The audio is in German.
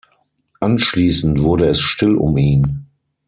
Anschließend wurde es still um ihn.